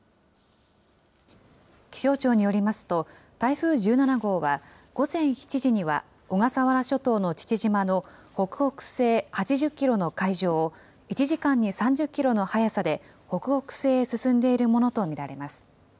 気象庁によりますと、台風１７号は、午前７時には、小笠原諸島の父島の北北西８０キロの海上を１時間に３０キロの速さで北北西へ進んでいるものと見られます。